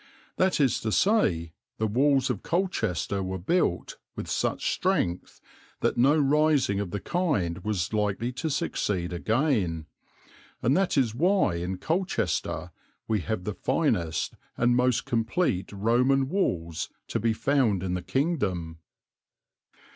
That is to say, the walls of Colchester were built with such strength that no rising of the kind was likely to succeed again; and that is why in Colchester we have the finest and most complete Roman walls to be found in the kingdom.